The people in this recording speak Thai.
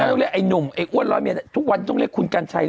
ต้องเรียกไอ้หนุ่มไอ้อ้วนร้อยเมียทุกวันต้องเรียกคุณกัญชัย